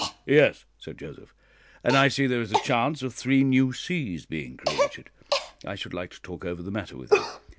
'" "Yes," said Joseph; "and I see there is a chance of three new sees being created. I should like to talk over the matter with you.